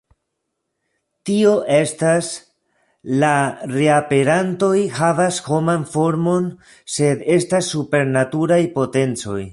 Tio estas, la reaperantoj havas homan formon sed estas supernaturaj potencoj.